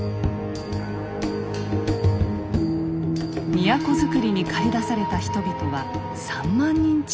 都づくりに駆り出された人々は３万人近く。